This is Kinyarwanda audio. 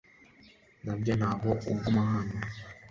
Nibyo, ntabwo uguma hano .